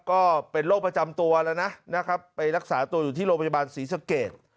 ก็เป็นโรคประจำตัวแล้วนะนะครับไปรักษาตัวอยู่ที่โรงพยาบาลศรีสเกต